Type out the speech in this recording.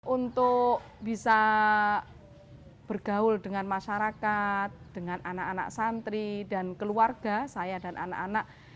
untuk bisa bergaul dengan masyarakat dengan anak anak santri dan keluarga saya dan anak anak